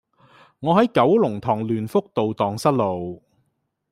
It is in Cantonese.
我喺九龍塘聯福道盪失路